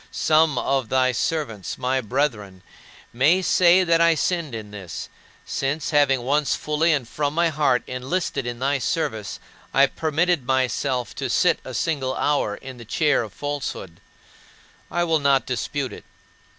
Some of thy servants, my brethren, may say that I sinned in this, since having once fully and from my heart enlisted in thy service, I permitted myself to sit a single hour in the chair of falsehood. I will not dispute it.